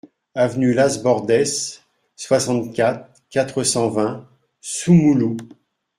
Avenue Las Bordes, soixante-quatre, quatre cent vingt Soumoulou